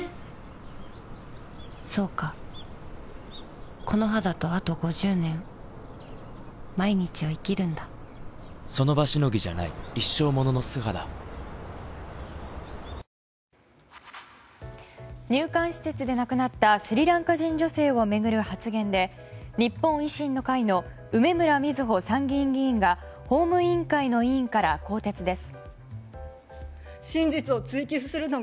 そうかこの肌とあと５０年その場しのぎじゃない一生ものの素肌入管施設で亡くなったスリランカ女性を巡る発言で日本維新の会の梅村みずほ参議院議員が法務委員会の委員から更迭です。